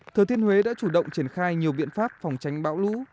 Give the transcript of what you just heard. thừa thiên huế đã chủ động triển khai nhiều biện pháp phòng tránh bão lũ